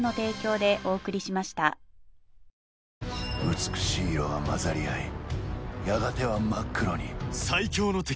美しい色は混ざり合いやがては真っ黒に。